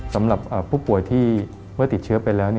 สำหรับผู้ป่วยที่เมื่อติดเชื้อไปแล้ว